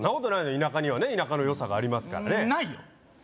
田舎には田舎のよさがありますからねないよ